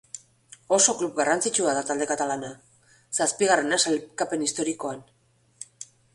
Oso klub garrantzitsua da talde katalana, zazpigarrena sailkapen historikoan.